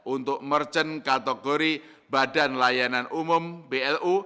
untuk merchant kategori badan layanan umum blu